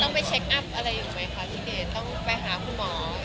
ต้องไปหาคุณหมอ